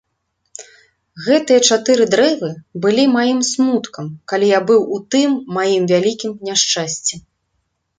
Гэтыя чатыры дрэвы былі маім смуткам, калі я быў у тым маім вялікім няшчасці.